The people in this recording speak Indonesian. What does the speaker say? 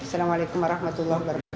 assalamualaikum warahmatullahi wabarakatuh